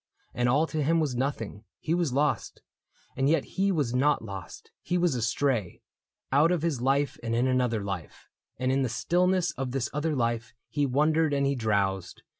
And all to him was nothing : he was lost. And yet he was not lost : he was astray — Out of his life and in another life ; And in the stillness of this other life He wondered and he drowsed.